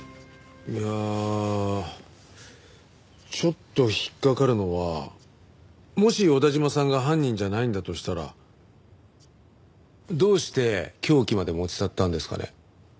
いやあちょっと引っかかるのはもし小田嶋さんが犯人じゃないんだとしたらどうして凶器まで持ち去ったんですかね？